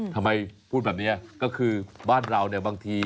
ทำไมพูดแบบนี้ก็คือบ้านเราเนี่ยบางที